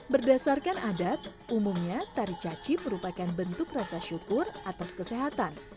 berdasarkan adat umumnya tari caci merupakan bentuk rasa syukur atas kesehatan